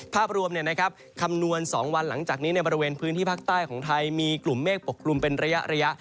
ภาพรวมคำนวณ๒วันหลังจากนี้ในบริเวณพื้นที่ภาคใต้ของไทยมีกลุ่มเมฆปกกลุ่มเป็นระยะ